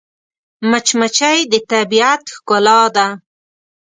مچمچۍ د طبیعت ښکلا ده